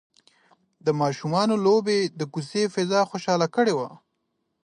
د ماشومانو لوبې د کوڅې فضا خوشحاله کړې وه.